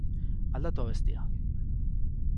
Aldatu abestia.